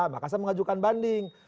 maka saya mengajukan banding